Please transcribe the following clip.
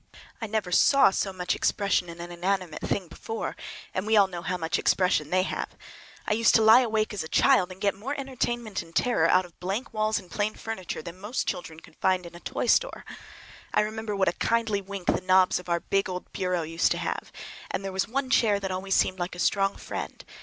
I never saw so much expression in an inanimate thing before, and we all know how much expression they have! I used to lie awake as a child and get more entertainment and terror out of blank walls and plain furniture than most children could find in a toy store. I remember what a kindly wink the knobs of our big old bureau used to have, and there was one chair that always seemed like a strong friend.